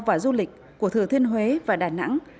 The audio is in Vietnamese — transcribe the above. và du lịch của thừa thiên huế và đà nẵng